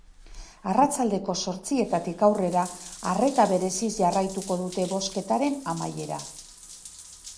Arratsaldeko zortzietatik aurrera arreta bereziz jarraituko dute bozketaren amaiera.